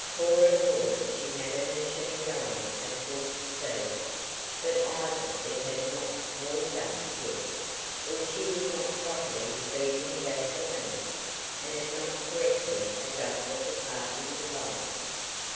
Cora thought she had her machine going at full speed, but either it had not "warmed up" yet, or she was not properly feeding the gasolene, and had not correctly adjusted the sparking device.